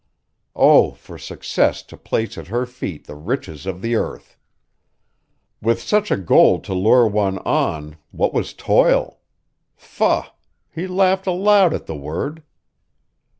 Oh, for success to place at her feet the riches of the earth! With such a goal to lure one on what was toil! Faugh! He laughed aloud at the word.